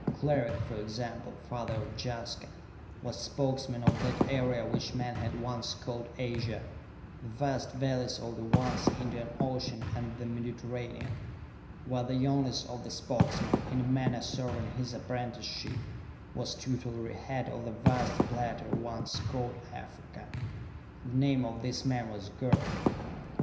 Cleric, for example, father of Jaska, was Spokesman of that area which men had once called Asia, the vast valleys of the once Indian Ocean and the Mediterranean; while the youngest of the Spokesmen, in a manner serving his apprenticeship, was tutelary head of the vast plateau once called Africa. The name of this man was Gerd.